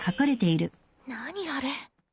何あれ？